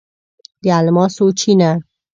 د الماسو چینه